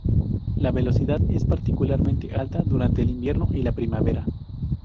La velocidad es particularmente alta durante el invierno y la primavera.